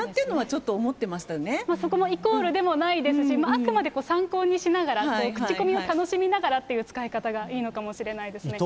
ちょっと思そこもイコールでもないですし、あくまでも参考にしながら、口コミを楽しみながらという使い方がいいのかもしれないですね。